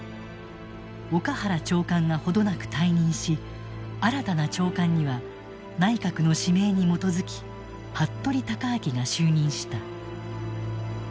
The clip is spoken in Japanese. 岡原長官が程なく退任し新たな長官には内閣の指名に基づき服部高顯が就任した。